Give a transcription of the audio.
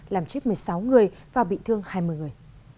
làm chết một mươi sáu người và bị thương hai mươi người